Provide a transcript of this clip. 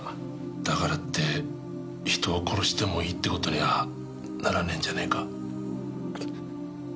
だからって人を殺してもいいって事にはならねえんじゃねえか？